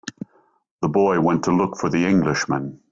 The boy went to look for the Englishman.